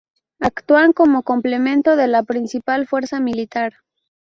Actúan como complemento de la principal fuerza militar.